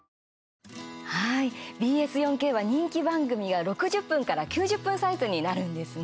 はい、ＢＳ４Ｋは人気番組が６０分から９０分サイズになるんですね。